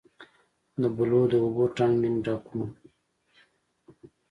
د بلو د اوبو ټانک نیمه ډک و.